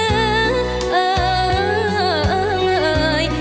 เอ่อเอ่อเอ่ย